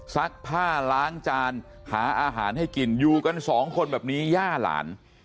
ซักผ้าล้างจานหาอาหารให้กินอยู่กันสองคนแบบนี้ย่าหลาน